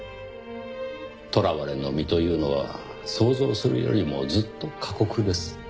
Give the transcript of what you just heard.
捕らわれの身というのは想像するよりもずっと過酷です。